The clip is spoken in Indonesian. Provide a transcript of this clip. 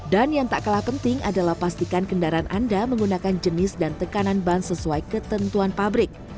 dan yang tak kalah penting adalah pastikan kendaraan anda menggunakan jenis dan tekanan ban sesuai ketentuan pabrik